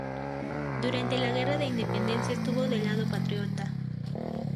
Durante la guerra de independencia estuvo del lado Patriota.